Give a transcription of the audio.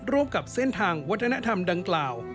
กับเส้นทางวัฒนธรรมดังกล่าว